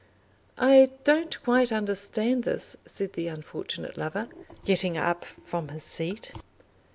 "I don't quite understand this," said the unfortunate lover, getting up from his seat.